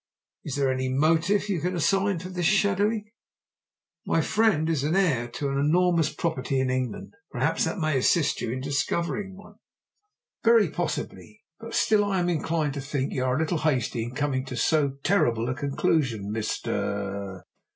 "Is there any motive you can assign for this shadowing?" "My friend is heir to an enormous property in England. Perhaps that may assist you in discovering one?" "Very possibly. But still I am inclined to think you are a little hasty in coming to so terrible a conclusion, Mr.